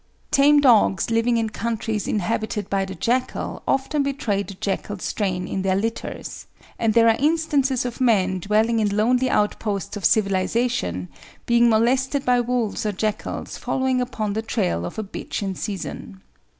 Tame dogs living in countries inhabited by the jackal often betray the jackal strain in their litters, and there are instances of men dwelling in lonely outposts of civilisation being molested by wolves or jackals following upon the trail of a bitch in season.